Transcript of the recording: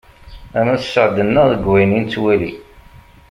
Ama sseɛd-nneɣ deg wayen i nettwali!